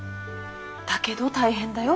だけど大変だよ。